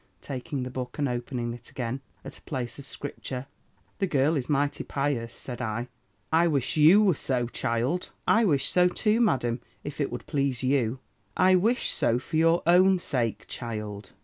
taking the book, and opening it again, at a place of Scripture. 'The girl is mighty pious!' said I. "'I wish you were so, child.' "'I wish so too, Madam, if it would please you.' "'I wish so, for your own sake, child.'